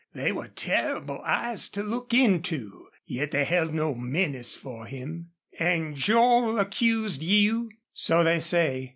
They were terrible eyes to look into, yet they held no menace for him. "An' Joel accused you?" "So they say.